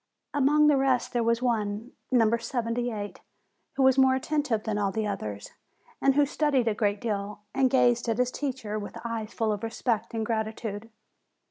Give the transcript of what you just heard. Among the rest there was one, No. 78, who was more attentive than all the others, and who studied a great deal, and gazed at his teacher with eyes full of respect and gratitude.